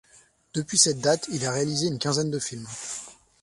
Depuis cette date, il a réalisé une quinzaine de films.